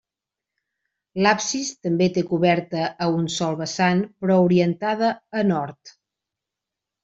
L'absis també té coberta a un sol vessant però orientada a nord.